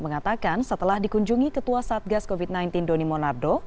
mengatakan setelah dikunjungi ketua satgas covid sembilan belas doni monardo